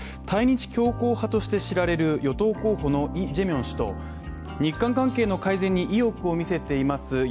対日強硬派として知られる与党候補のイ・ジェミョン氏と日韓関係の改善に意欲を見せています